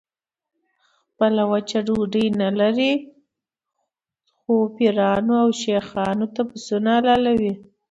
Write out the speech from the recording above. خپله وچه ډوډۍ نه لري خو پیرانو او شیخانو ته پسونه حلالوي.